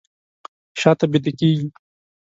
شاته بیده کیږي